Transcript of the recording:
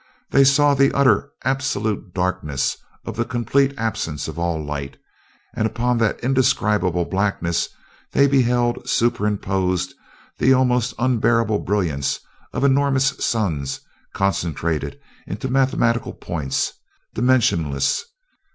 They saw the utter, absolute darkness of the complete absence of all light: and upon that indescribable blackness they beheld superimposed the almost unbearable brilliance of enormous suns concentrated into mathematical points, dimensionless.